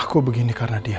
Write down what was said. aku begini karena dia